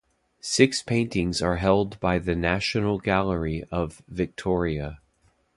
Six paintings are held by the National Gallery of Victoria.